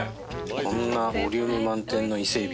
こんなボリューム満点の伊勢えび